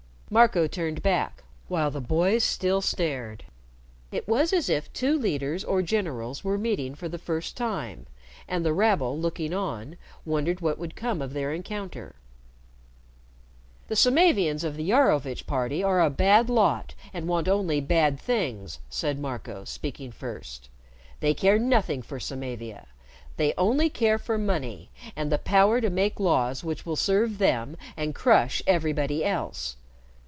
Marco turned back, while the boys still stared. It was as if two leaders or generals were meeting for the first time, and the rabble, looking on, wondered what would come of their encounter. "The Samavians of the Iarovitch party are a bad lot and want only bad things," said Marco, speaking first. "They care nothing for Samavia. They only care for money and the power to make laws which will serve them and crush everybody else.